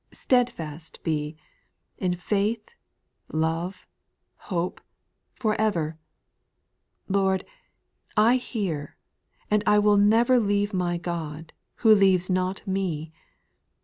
steadfast be, In faith, love, hope, for ever I Lord, I hear, and I will never Leave my God, who leaves not me.